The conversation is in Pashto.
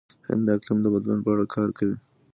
هند د اقلیم د بدلون په اړه کار کوي.